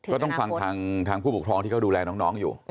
ก็ต้องฟังทางผู้ปกครองที่เขาดูแลน้องอยู่